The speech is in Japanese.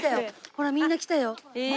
ほらみんな来たよ。